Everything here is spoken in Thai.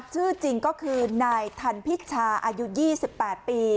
ชื่อจริงก็คือนายทันพิชาอายุ๒๘ปี